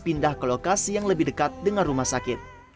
pindah ke lokasi yang lebih dekat dengan rumah sakit